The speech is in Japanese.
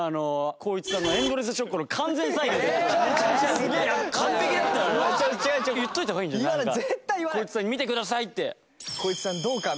光一さんに「見てください」って。